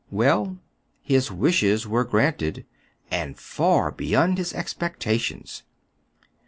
Well, his wishes were granted, and far beyond his expecta tions.